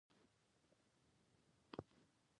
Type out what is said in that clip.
غوږونه د باران ټک ټک اوري